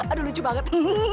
aduh lucu banget